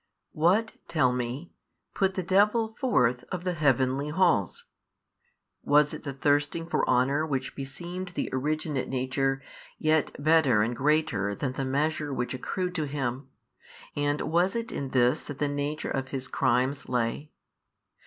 what (tell me) put the devil forth of the heavenly halls? was it the thirsting for honour which beseemed the originate nature, yet better and greater than the measure which accrued to him, and was it in this that the nature of his crimes lay?